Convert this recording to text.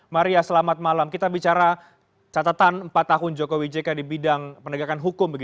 maria selamat malam kita bicara catatan empat tahun jokowi jk di bidang penegakan hukum